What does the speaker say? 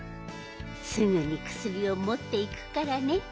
すぐにくすりをもっていくからね。